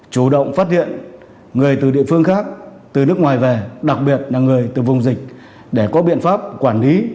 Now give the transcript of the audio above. chủ động phát hiện người từ địa phương khác từ nước ngoài về đặc biệt là người từ vùng dịch để có biện pháp quản lý